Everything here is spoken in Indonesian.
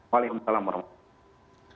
waalaikumsalam warahmatullahi wabarakatuh